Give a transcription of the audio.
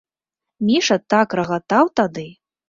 Міша так рагатаў тады!